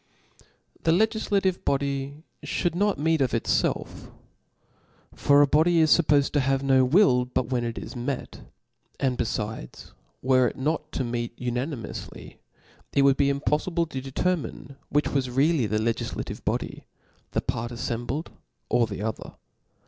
^ The legiflative body fhould not meet of it* felf. For g body is fuppofed to have no will but when it is met ; and befides, were it not to meet unanimoufly, it would be impoffibic to determine which was really the legiflative body j the part affembled, or the other.